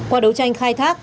qua đấu tranh khai thác